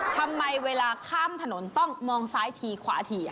ทำไมเวลาข้ามถนนต้องมองซ้ายทีขวาที